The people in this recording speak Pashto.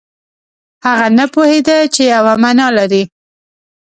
هغه نه پوهېده چې یوه معنا لري.